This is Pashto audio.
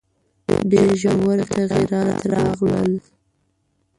ډېر ژور تغییرات راغلل.